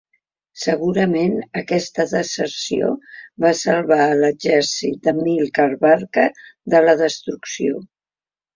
Segurament aquesta deserció va salvar a l'exèrcit d'Amílcar Barca de la destrucció.